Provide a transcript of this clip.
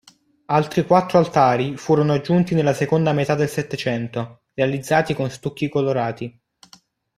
Altri quattro altari furono aggiunti nella seconda metà del Settecento, realizzati con stucchi colorati.